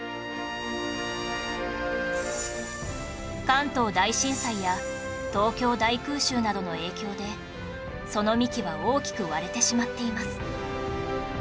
関東大震災や東京大空襲などの影響でその幹は大きく割れてしまっています